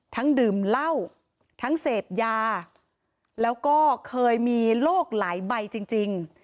ดื่มเหล้าทั้งเสพยาแล้วก็เคยมีโรคหลายใบจริง